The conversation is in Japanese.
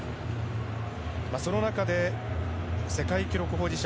その中で世界記録保持者